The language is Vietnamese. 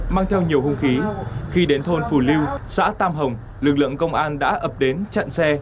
mang theo nhiều hung khí khi đến thôn phù lưu xã tam hồng lực lượng công an đã ập đến chặn xe